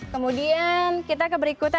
kemudian kita ke berikutnya